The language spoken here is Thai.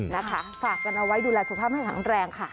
นะคะฝากกันเอาไว้ดูแลสุขภาพให้แข็งแรงค่ะ